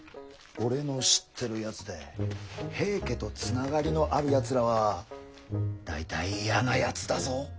俺の知ってるやつで平家と繋がりのあるやつらは大体嫌なやつだぞ。